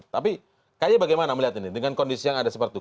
tapi kay bagaimana melihat ini dengan kondisi yang ada seperti itu